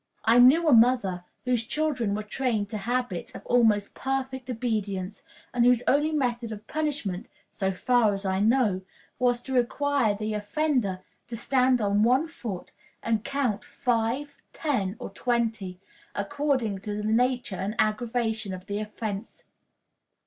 I knew a mother whose children were trained to habits of almost perfect obedience, and whose only method of punishment, so far as I know, was to require the offender to stand on one foot and count five, ten, or twenty, according to the nature and aggravation of the offense.